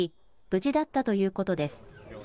無事だったということです。